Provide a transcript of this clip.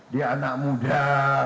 dia anak muda